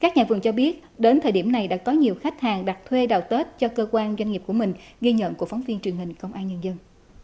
các nhà vườn cho biết đến thời điểm này đã có nhiều khách hàng đặt thuê đào tết cho cơ quan doanh nghiệp của mình ghi nhận của phóng viên truyền hình công an nhân dân